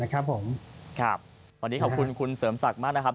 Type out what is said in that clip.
ครับตอนนี้ขอบคุณคุณเสริมศักดิ์มากนะครับ